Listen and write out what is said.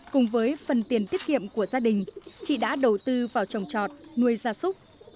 cùng với phần tiền tiết kiệm của gia đình chị đã đầu tư vào trồng trọt nuôi gia súc